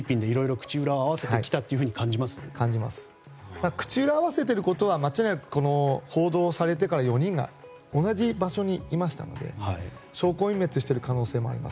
口裏を合わせているというのは間違いなく、報道されてからこの４人は同じ場所にいましたので証拠隠滅をしている可能性もあります。